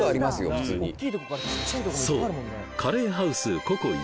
普通にそうカレーハウスＣｏＣｏ壱